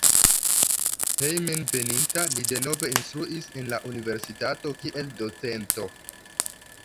Hejmenveninta li denove instruis en la universitato kiel docento.